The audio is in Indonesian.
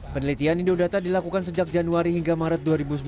penelitian indodata dilakukan sejak januari hingga maret dua ribu sembilan belas